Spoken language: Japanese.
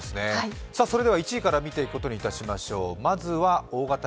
それでは、１位から見ていくことにいたしましょう。